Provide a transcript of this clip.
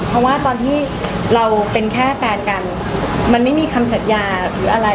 เพราะว่าตอนที่เราเป็นแค่แฟนกันมันไม่มีคำสัญญาหรืออะไร